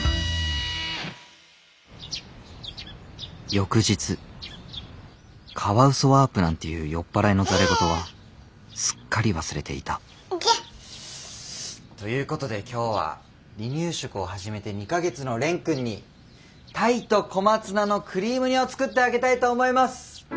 翌日カワウソワープなんていう酔っ払いのざれ言はすっかり忘れていたということで今日は離乳食を始めて２か月の蓮くんに「鯛と小松菜のクリーム煮」を作ってあげたいと思います！